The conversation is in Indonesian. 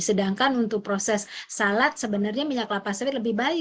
sedangkan untuk proses salad sebenarnya minyak kelapa sawit lebih baik